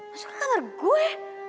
masuk ke kamar gue